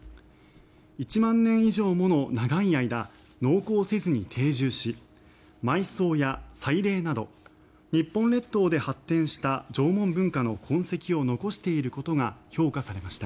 １万年以上もの長い間農耕せずに定住し埋葬や祭礼など日本列島で発展した縄文文化の痕跡を残していることが評価されました。